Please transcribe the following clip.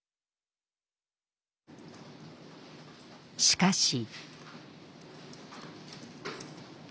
しかし。